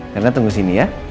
karena tunggu sini ya